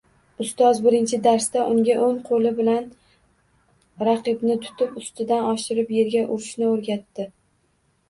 Ustoz birinchi darsda unga oʻng qoʻli bilan raqibni tutib, ustidan oshirib yerga urishni oʻrgatdi